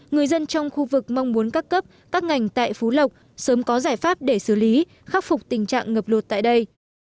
người dân trong khu vực mong muốn các cấp các ngành tại phú lộc sớm có giải pháp để xử lý khắc phục tình trạng ngập lụt tại đây